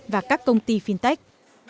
và các công ty fintech